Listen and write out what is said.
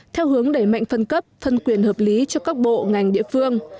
theo hướng đẩy mạnh phân cấp phân quyền hợp lý cho các bộ ngành địa phương